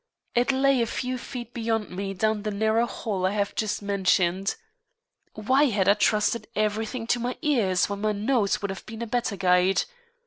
It lay a few feet beyond me down the narrow hall I have just mentioned. Why had I trusted everything to my ears when my nose would have been a better guide?